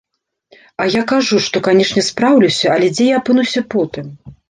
А я кажу, што, канечне, спраўлюся, але дзе я апынуся потым?